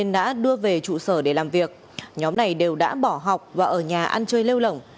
để trụ sở để làm việc nhóm này đều đã bỏ học và ở nhà ăn chơi lêu lỏng